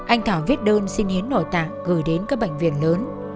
anh thảo viết đơn xin hiến nội tạng gửi đến các bệnh viện lớn